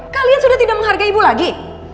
kalian sudah tidak menghargai ibu lagi